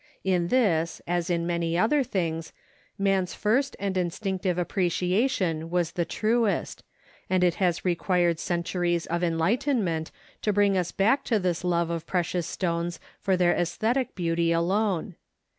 In this, as in many other things, man's first and instinctive appreciation was the truest, and it has required centuries of enlightenment to bring us back to this love of precious stones for their esthetic beauty alone.